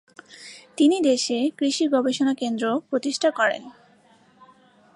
তিনি দেশে কৃষি গবেষণা কেন্দ্রও প্রতিষ্ঠা করেন।